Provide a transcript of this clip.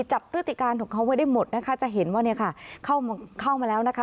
พฤติการของเขาไว้ได้หมดนะคะจะเห็นว่าเนี่ยค่ะเข้ามาเข้ามาแล้วนะคะ